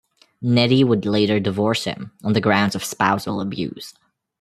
Nettie would later divorce him on the grounds of spousal abuse.